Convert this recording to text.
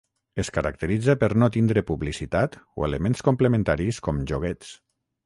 Es caracteritza per no tindre publicitat o elements complementaris com joguets.